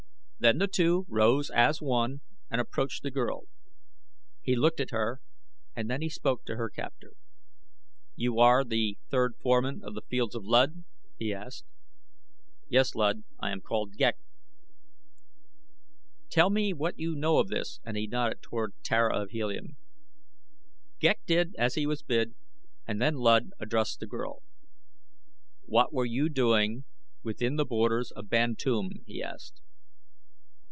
Then the two rose as one and approached the girl. He looked at her and then he spoke to her captor. "You are the third foreman of the fields of Luud?" he asked. "Yes, Luud; I am called Ghek." "Tell me what you know of this," and he nodded toward Tara of Helium. Ghek did as he was bid and then Luud addressed the girl. "What were you doing within the borders of Bantoom?" he asked.